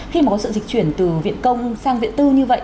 khi mà có sự dịch chuyển từ viện công sang viện tư như vậy